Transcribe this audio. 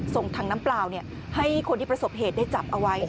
ส่งถังน้ำเปล่าให้คนที่ประสบเหตุได้จับเอาไว้